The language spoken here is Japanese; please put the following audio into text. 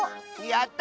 やった！